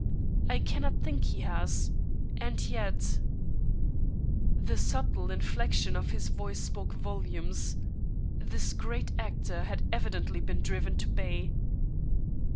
I cannot think it has, and yet " The subtle inflection of his voice spoke volumes. This great actor had evidently been driven to bay.